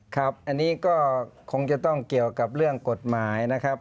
ครับอันนี้ก็คงจะต้องเกี่ยวกับเรื่องกฎหมายนะครับ